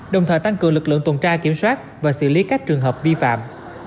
đồng thời tăng cường lực lượng tuần tra kiểm soát và xử lý các trường hợp vi phạm